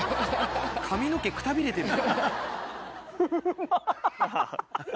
髪の毛くたびれてる。